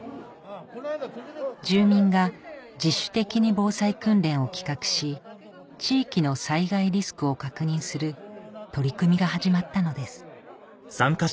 住民が自主的に防災訓練を企画し地域の災害リスクを確認する取り組みが始まったのです